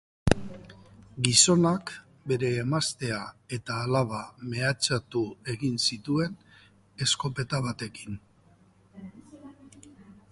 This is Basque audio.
Gizonak bere emaztea eta alaba mehatxatu egin zituen eskopeta batekin.